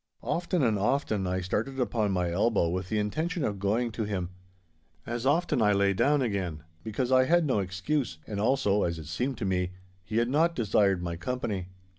Often and often I started upon my elbow with the intention of going to him. As often I lay down again, because I had no excuse, and also (as it seemed to me) he had not desired my company.